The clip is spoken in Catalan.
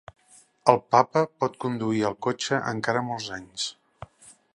El papa pot conduir el cotxe encara molts anys.